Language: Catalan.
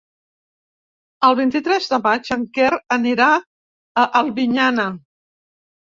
El vint-i-tres de maig en Quer anirà a Albinyana.